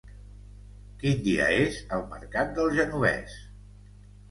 Quin dia és el mercat del Genovés?